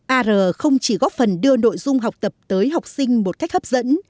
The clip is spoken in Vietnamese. ar không chỉ góp phần đưa nội dung học tập tới học sinh một cách hấp dẫn